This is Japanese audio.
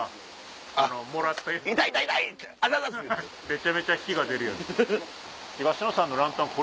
めちゃめちゃ火が出るやつ。